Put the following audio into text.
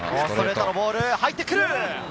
ストレートのボール、入ってくる。